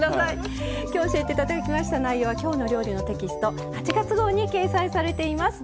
今日教えていただきました内容は「きょうの料理」のテキスト８月号に掲載されています。